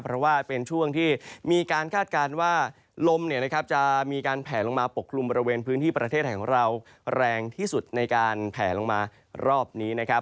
เพราะว่าเป็นช่วงที่มีการคาดการณ์ว่าลมจะมีการแผลลงมาปกคลุมบริเวณพื้นที่ประเทศของเราแรงที่สุดในการแผลลงมารอบนี้นะครับ